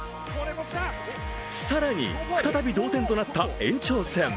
更に再び同点となった延長戦。